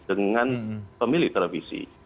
dengan pemilik televisi